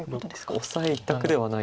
オサエ一択ではない。